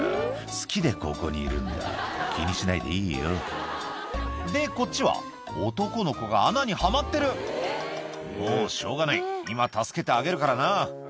「好きでここにいるんだ気にしないでいいよ」でこっちは男の子が穴にはまってる「もうしょうがない今助けてあげるからな」